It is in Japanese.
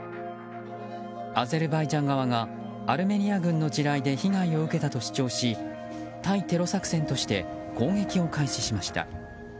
アゼルバイジャン側がアルメニア軍の地雷で被害を受けたとし対テロ作戦として攻撃を開始しました。